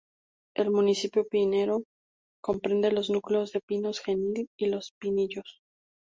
El municipio pinero comprende los núcleos de Pinos Genil y Los Pinillos.